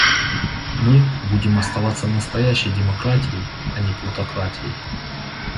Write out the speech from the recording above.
Мы будем оставаться настоящей демократией, а не плутократией.